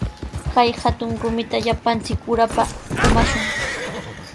Kay hatun rumita llapanchik urapa kumashun.